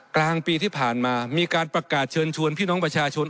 กลางปีที่ผ่านมามีการประกาศเชิญชวนพี่น้องประชาชน